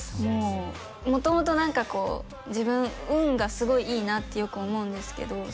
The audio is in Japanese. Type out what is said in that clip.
もうもともと何かこう自分運がすごいいいなってよく思うんですけど